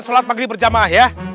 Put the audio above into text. sholat maghrib berjamaah ya